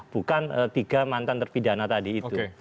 bukan tiga mantan terpidana tadi itu